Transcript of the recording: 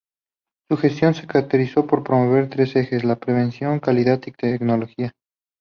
Su gestión se caracterizó por promover tres ejes: la prevención, calidad y tecnología.